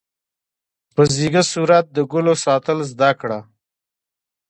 په ځیږه صورت د ګلو ساتل زده کړه.